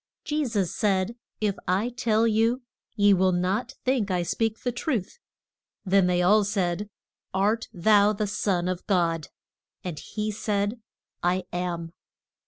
Je sus said, If I tell you, ye will not think I speak the truth. Then they all said, Art thou the son of God? And he said, I am.